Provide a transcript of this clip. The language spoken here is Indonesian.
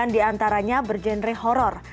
sembilan diantaranya bergenre horror